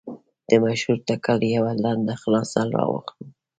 د مشهور نکل یوه لنډه خلاصه را واخلو.